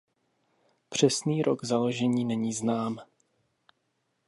Přesný rok založení není znám.